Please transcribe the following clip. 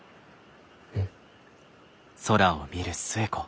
うん。